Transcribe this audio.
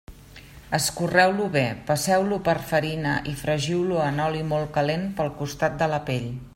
Escorreu-lo bé, passeu-lo per farina i fregiu-lo en oli molt calent, pel costat de la pell.